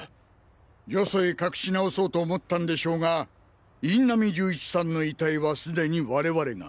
よそへ隠し直そうと思ったんでしょうが印南銃一さんの遺体は既に我々が。